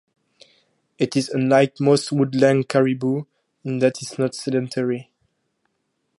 It is unlike most woodland caribou in that it is not sedentary.